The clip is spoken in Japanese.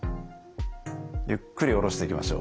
ゆっくり下ろしていきましょう。